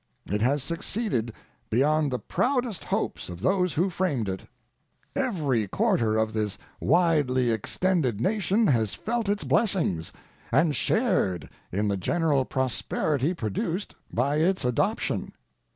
It has succeeded beyond the proudest hopes of those who framed it. Every quarter of this widely extended nation has felt its blessings and shared in the general prosperity produced by its adoption.